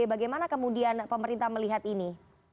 bagaimana kemudian pemerintah melihat ini